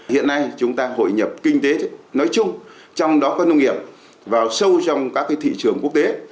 hiện nay chúng ta hội nhập kinh tế nói chung trong đó có nông nghiệp vào sâu trong các thị trường quốc tế